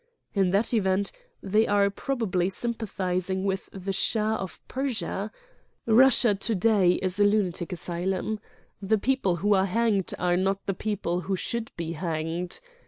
In that event, they are probably sympathizing with the Shah of Persia ! Eussia to day is a lunatic asylum. The people who are hanged are not the people who should be hanged.